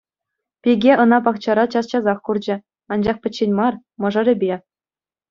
Пике ӑна пахчара час-часах курчӗ, анчах пӗччен мар — мӑшӑрӗпе.